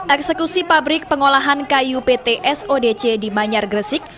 eksekusi pabrik pengolahan kayu ptsodc di manyar gresik